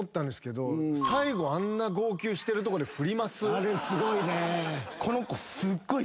あれすごいね。